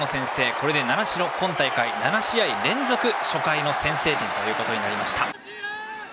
これで習志野、今大会７試合連続初回の先制点となりました。